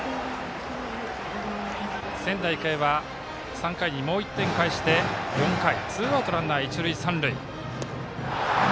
仙台育英は３回にもう１点返して４回、ツーアウトランナー、一塁三塁。